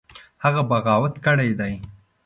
هغه بغاوت کړی دی.